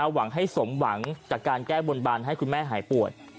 หวังให้สมหวังจากการแก้บนบานให้คุณแม่หายปวด